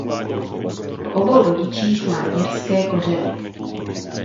Po obou rodičích má irské kořeny.